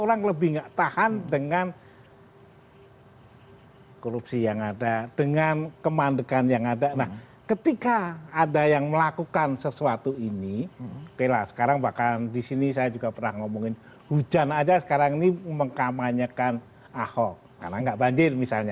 atau tadi ada kusuran kusuran tadi